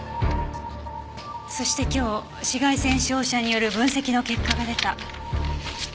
そして今日紫外線照射による分析の結果が出た。